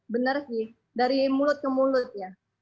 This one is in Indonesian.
benar sih dari mulut ke mulut ya